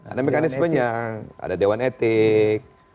ada mekanisme yang ada dewan etik